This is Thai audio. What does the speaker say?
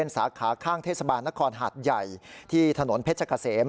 สาขาข้างเทศบาลนครหาดใหญ่ที่ถนนเพชรเกษม